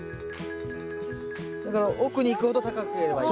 奥に行くほど高ければいい。